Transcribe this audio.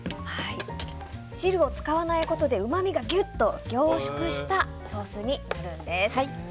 汁を使わないことでうまみがぎゅっと凝縮したソースになるんです。